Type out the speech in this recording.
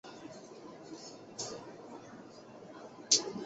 林乐善当选为第一届第四次增额立法委员。